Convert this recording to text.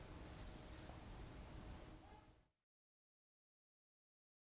อืม